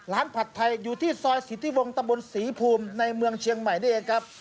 ผัดไทยอยู่ที่ซอยสิทธิวงตะบนศรีภูมิในเมืองเชียงใหม่นี่เองครับ